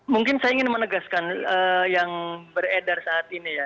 mungkin saya ingin menegaskan yang beredar saat ini ya